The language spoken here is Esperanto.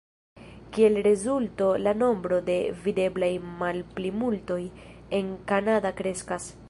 Kiel rezulto la nombro de videblaj malplimultoj en Kanada kreskas.